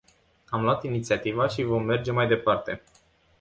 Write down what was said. Am luat inițiativa și vom merge mai departe.